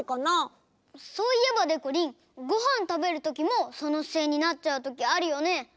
そういえばでこりんごはんたべるときもそのしせいになっちゃうときあるよね？